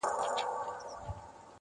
ستا د عشق له وینو ډک شول ځیګرونه